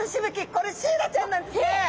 これシイラちゃんなんですね！